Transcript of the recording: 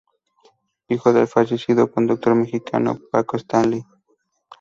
Hijo del fallecido conductor mexicano Paco Stanley.